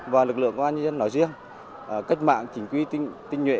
và lực lượng công an dân nói riêng cách mạng chỉnh quy tinh nhuệ